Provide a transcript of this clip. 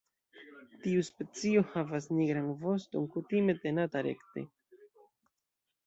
Tiu specio havas nigran voston kutime tenata rekte.